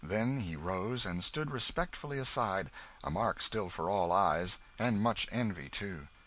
Then he rose and stood respectfully aside, a mark still for all eyes and much envy, too.